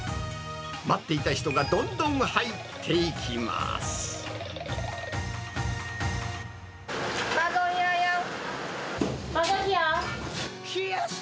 待っていた人がどんどん入っていきます。